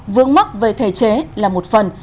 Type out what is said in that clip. vướng mắt về thể chế là một phần